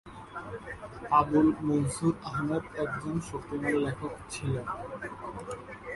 আবুল মনসুর আহমেদ একজন শক্তিমান লেখক ছিলেন।